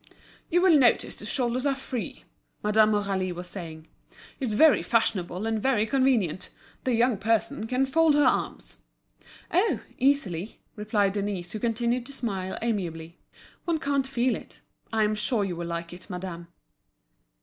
"You will notice the shoulders are free," Madame Aurélie was saying. "It's very fashionable and very convenient. The young person can fold her arms." "Oh! easily," replied Denise, who continued to smile amiably. "One can't feel it. I am sure you will like it, madame."